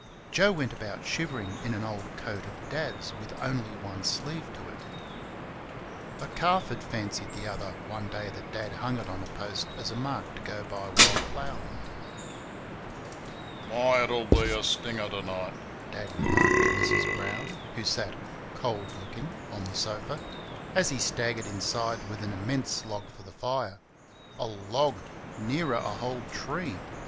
Joe went about shivering in an old coat of Dad's with only one sleeve to it a calf had fancied the other one day that Dad hung it on a post as a mark to go by while ploughing. "My! it'll be a stinger to night," Dad remarked to Mrs. Brown who sat, cold looking, on the sofa as he staggered inside with an immense log for the fire. A log! Nearer a whole tree!